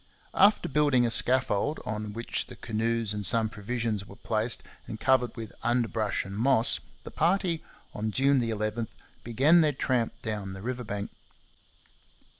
After building a scaffold, on which the canoes and some provisions were placed and covered with underbrush and moss, the party, on June 11, began their tramp down the river bank.